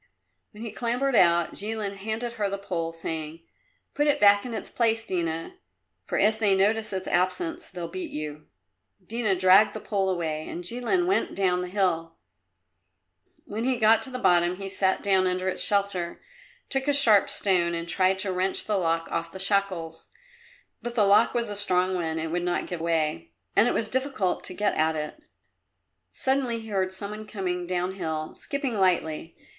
When he clambered out Jilin handed her the pole, saying, "Put it back in its place, Dina, for if they notice its absence they'll beat you." Dina dragged the pole away, and Jilin went down the hill. When he got to the bottom he sat down under its shelter, took a sharp stone and tried to wrench the lock off the shackles. But the lock was a strong one and would not give way, and it was difficult to get at it. Suddenly he heard some one coming downhill, skipping lightly.